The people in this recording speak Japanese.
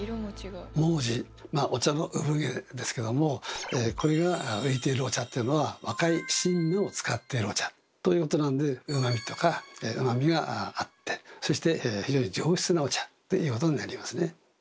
毛茸まあお茶の産毛ですけどもこれが浮いているお茶っていうのは若い新芽を使ってるお茶ということなんでうまみとか甘みがあってそして非常に上質なお茶ということになりますね。